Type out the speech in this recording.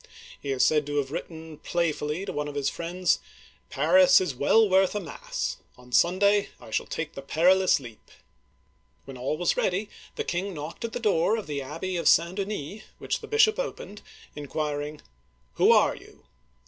He is said to have writ ten playfully to one of his friends :" Paris is well worth a mass ! On Sunday I shall take the perilous leap !" When all was ready, the king knocked at the door of the Abbey of St. Denis, which the bishop opened, inquiring, "Who are you.?"